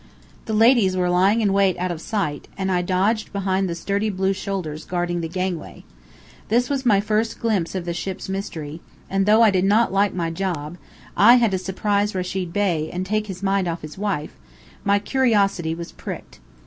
The ladies were lying in wait out of sight, and I dodged behind the sturdy blue shoulders guarding the gangway. This was my first glimpse of the Ship's Mystery; and though I did not like my job (I had to surprise Rechid Bey and take his mind off his wife) my curiosity was pricked.